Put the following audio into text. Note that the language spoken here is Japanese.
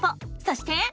そして。